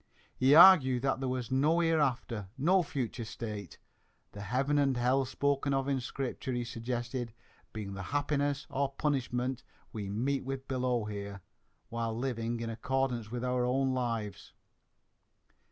He argued that there was no hereafter, no future state; the heaven and hell spoken of in Scripture, he suggested, being the happiness or punishment we meet with below here, while living, in accordance with our own lives."